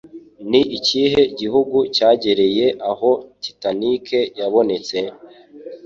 Ni ikihe gihugu cyegereye aho Titanic yabonetse?